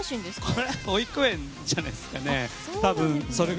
これは保育園じゃないですかね。